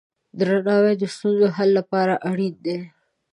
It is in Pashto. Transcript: درناوی د ستونزو حل لپاره اړین دی.